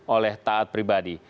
oleh taat pribadi